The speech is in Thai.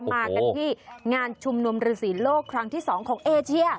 มากันที่งานชุมนุมฤษีโลกครั้งที่๒ของเอเชีย